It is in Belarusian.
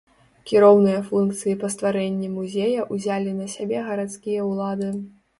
Кіроўныя функцыі па стварэнні музея ўзялі на сябе гарадскія ўлады.